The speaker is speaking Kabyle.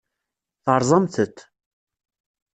Terẓamt-t.